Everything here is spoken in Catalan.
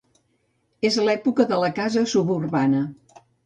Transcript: És l'època de la "casa suburbana".